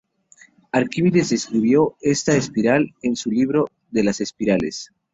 Arquímedes describió esta espiral en su libro "De las Espirales".